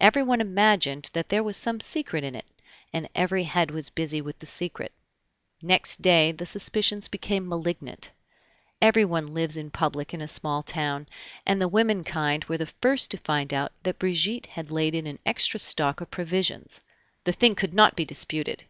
Everyone imagined that there was some secret in it, and every head was busy with the secret. Next day the suspicions became malignant. Everyone lives in public in a small town, and the women kind were the first to find out that Brigitte had laid in an extra stock of provisions. The thing could not be disputed.